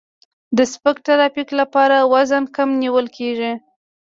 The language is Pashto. د سپک ترافیک لپاره وزن کم نیول کیږي